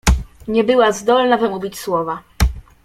"Nie była zdolna wymówić słowa."